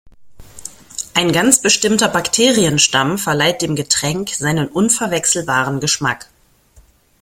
Ein ganz bestimmter Bakterienstamm verleiht dem Getränk seinen unverwechselbaren Geschmack.